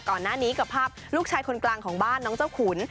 ก่อนหน้านี้กับภาพลูกชายคนกลางของบ้านน้องเจ้าขุน